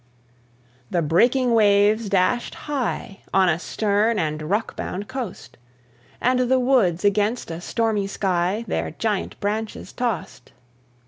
The breaking waves dashed high On a stern and rock bound coast, And the woods against a stormy sky Their giant branches tossed.